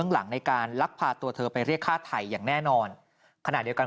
หลังในการลักพาตัวเธอไปเรียกฆ่าไทยอย่างแน่นอนขณะเดียวกัน